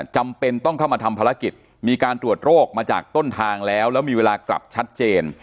จำเป็นต้องเข้ามาทำภารกิจมีการตรวจโรคมาจากต้นทางแล้วแล้วมีเวลากลับชัดเจน